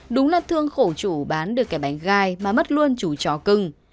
đúng là thương khổ chủ bán được cái bánh gai mà mất luôn chủ chó cưng